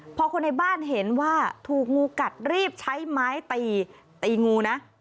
พอคนในบ้านเห็นว่าถูกงูกัดรีบใช้ไม้ตีตีงูนะ